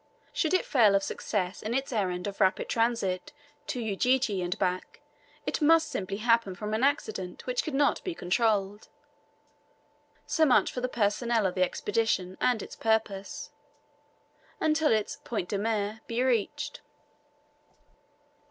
Should it fail of success in its errand of rapid transit to Ujiji and back, it must simply happen from an accident which could not be controlled. So much for the personnel of the Expedition and its purpose, until its point de mire be reached.